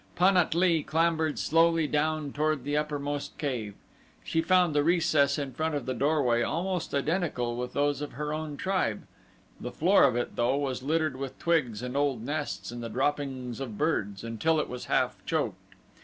Pan at lee clambered slowly down toward the uppermost cave. She found the recess in front of the doorway almost identical with those of her own tribe. The floor of it, though, was littered with twigs and old nests and the droppings of birds, until it was half choked.